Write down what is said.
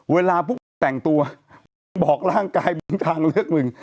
เวลาพี่ต่างตัวบอกร่างกายบางทางเลือกนึง